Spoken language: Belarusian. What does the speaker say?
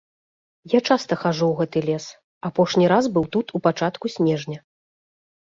Я часта хаджу ў гэты лес, апошні раз быў тут у пачатку снежня.